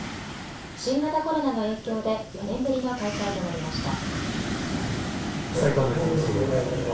新型コロナの影響で４年ぶりの開催となりました。